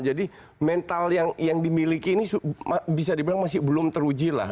jadi mental yang dimiliki ini bisa dibilang masih belum teruji lah